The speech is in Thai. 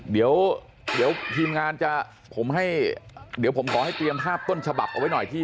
เดี๋ยวทีมงานจะผมให้เดี๋ยวผมขอให้เตรียมภาพต้นฉบับเอาไว้หน่อยที่